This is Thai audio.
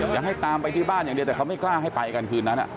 จะให้ตามไปที่บ้านอย่างเดียวแต่เขาไม่กล้าให้ไปกันคืนนั้น